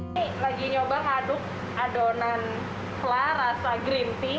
ini lagi nyoba aduk adonan vla rasa green tea